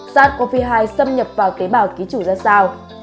sars cov hai xâm nhập vào tế bào ký chủ ra sao